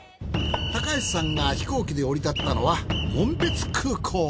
高橋さんが飛行機で降りたったのは紋別空港。